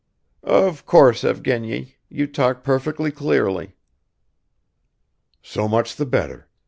"Of course, Evgeny, you talk perfectly clearly." "So much the better.